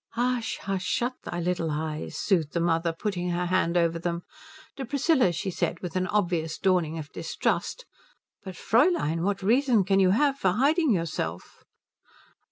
"Hush, hush, shut thy little eyes," soothed the mother, putting her hand over them. To Priscilla she said, with an obvious dawning of distrust, "But Fräulein, what reason can you have for hiding yourself?"